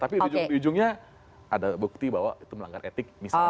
tapi ujungnya ada bukti bahwa itu melanggar etik misalnya